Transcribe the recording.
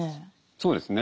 そうですね。